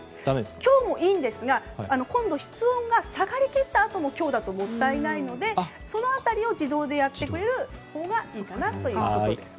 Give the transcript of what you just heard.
強もいいんですが室温が下がりきったあとも強だともったいないのでその辺りを自動でやってくれるほうがいいと思います。